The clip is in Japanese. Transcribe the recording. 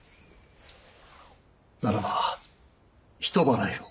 ならば人払いを。